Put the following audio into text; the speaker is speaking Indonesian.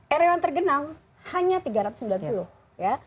area yang tergenang hanya tiga ratus sembilan puluh ya